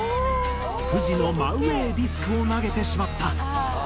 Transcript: フジの真上へディスクを投げてしまった。